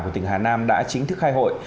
của tỉnh hà nam đã chính thức khai hội